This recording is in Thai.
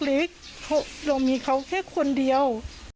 เล็กเรามีเขาแค่คนเดียว